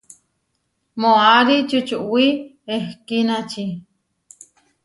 Moʼarí čučuwí ehkínači.